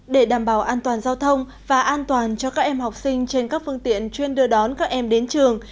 để đảm bảo an toàn giao thông và an toàn cho các em học sinh trên các phương tiện chuyên đưa đón các em đến trường